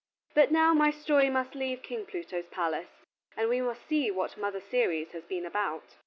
But now my story must leave King Pluto's palace, and we must see what Mother Ceres has been about.